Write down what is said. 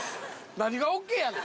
何がＯＫやねん。